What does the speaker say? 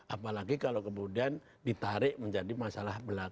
apalagi kalau kemudian ditarik menjadi masalah belakang